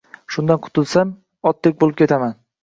Shundan qutulsam otdek bo‘lib ketaman